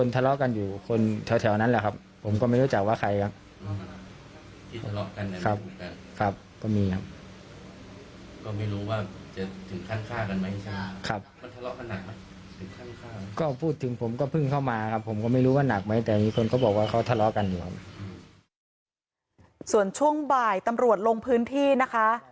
ส่วนช่วงบ่ายตำรวจลงพื้นที่นะคะ